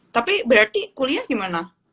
tapi berarti kuliah gimana